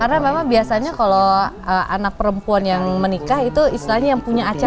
karena memang biasanya kalau anak perempuan yang menikah itu istilahnya yang punya acara ya